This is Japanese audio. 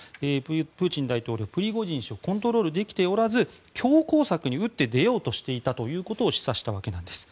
プーチン大統領、プリゴジン氏をコントロールできておらず強硬策に打って出ようとしていたということを示唆したわけなんです。